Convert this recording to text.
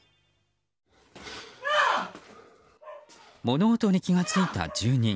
物音に気が付いた住人。